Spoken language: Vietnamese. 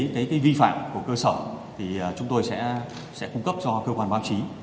những cái vi phạm của cơ sở thì chúng tôi sẽ cung cấp cho cơ quan báo chí